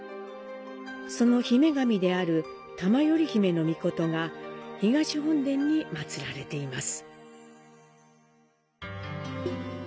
その姫神である玉依媛命が東本殿に祀られています。